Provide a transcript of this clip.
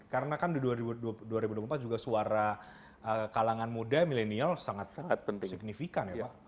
karena kan di dua ribu dua puluh empat juga suara kalangan muda milenial sangat signifikan ya pak